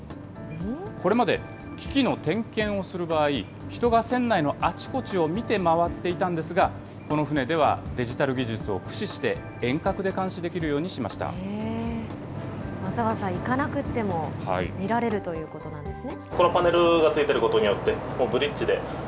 これまで機器の点検をする場合、人が船内のあちこちを見て回っていたんですが、この船ではデジタル技術を駆使して、遠隔で監視できるようにしまわざわざ行かなくても見られるということなんですね。